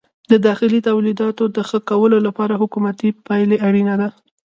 د داخلي تولیداتو د ښه کولو لپاره حکومتي پلوي اړینه ده.